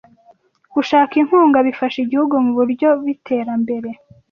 Gushaka inkunga bifasha igihugu mu buryo b’ iterambere